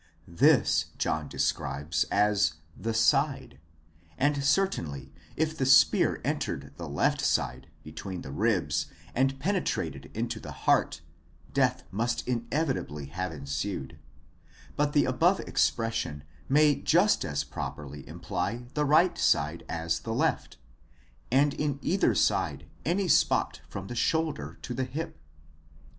This John describes as the πλευρὰ side, and certainly if the spear entered the left side between the ribs and penetrated into the heart, death must inevitably have ensued: but the above expression may just as properly imply the right side as the left, and in either side any spot from the shoulder to the hip.